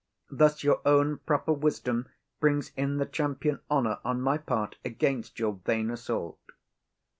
Thus your own proper wisdom Brings in the champion honour on my part Against your vain assault.